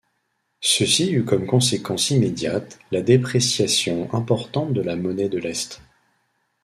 Ceci eut comme conséquence immédiate la dépréciation importante de la monnaie de l'Est.